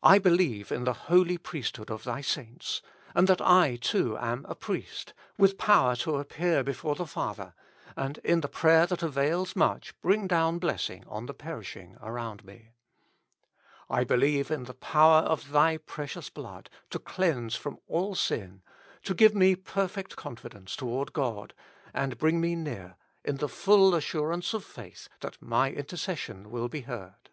1 believe in the Holy Priesthood of Thy Saints, and that I too am a priest, with power to appear before the Father, and in the prayer that avails much bring down blessing on the perishing around me. I believe in the Power of Thy Precious Blood to clease from all sin, to give me perfect confidence toward God, and bring me near in the full assurance of faith that my intercession will be heard.